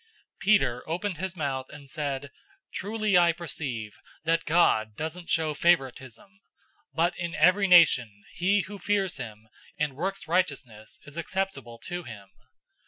010:034 Peter opened his mouth and said, "Truly I perceive that God doesn't show favoritism; 010:035 but in every nation he who fears him and works righteousness is acceptable to him.